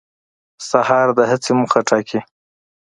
سهار د هڅې موخه ټاکي.